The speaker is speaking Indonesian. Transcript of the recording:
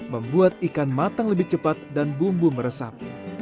membuat ikan matang lebih cepat dan bumbu meresap